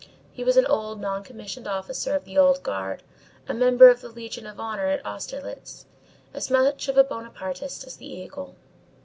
He was an old non commissioned officer of the old guard, a member of the Legion of Honor at Austerlitz, as much of a Bonapartist as the eagle.